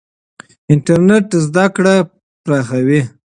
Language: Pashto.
انټرنېټ زده کړه پراخوي.